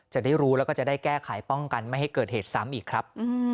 จะได้รู้แล้วก็จะได้แก้ไขป้องกันไม่ให้เกิดเหตุซ้ำอีกครับ